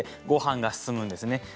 ごはんが進むんですね。